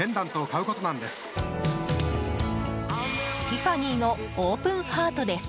ティファニーのオープンハートです。